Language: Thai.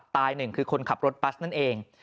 ตาย๑คือคนขับรถบัสนั่นเอง